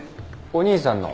お兄さんの？